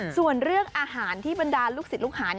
ส่วนเรื่องอาหารที่บรรดาลูกศิษย์ลูกหา